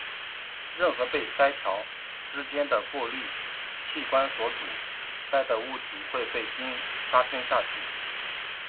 任何被鳃条之间的过滤器官所阻塞的物体会被鲸鲨吞下去。